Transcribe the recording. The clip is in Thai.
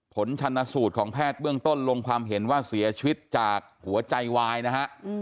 ผลชนสูตรของแพทย์เบื้องต้นลงความเห็นว่าเสียชีวิตจากหัวใจวายนะฮะ